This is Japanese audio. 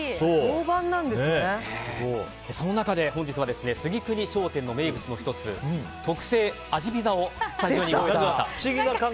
その中で本日は杉国商店の名物の１つ特製あじピザをスタジオにご用意しました。